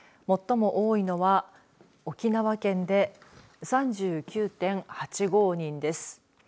最も多いのは、沖縄県で３９．８５人です。